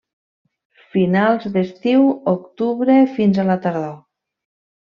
Finals d'estiu, octubre fins a la tardor.